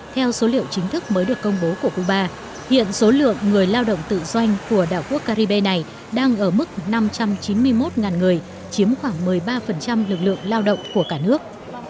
theo số liệu chính thức mới được công bố của cuba hiện số lượng người lao động tự do của đảo quốc caribe này đang ở mức năm trăm chín mươi một người chiếm khoảng một mươi ba lực lượng lao động của cả nước